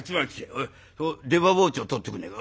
おい出刃包丁取ってくんねえか。